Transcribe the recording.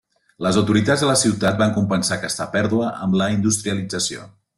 Les autoritats de la ciutat van compensar aquesta pèrdua amb la industrialització.